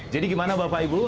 jadi gimana bapak ibu